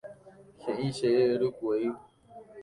He'i che ryke'y